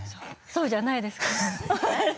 そうじゃないですか？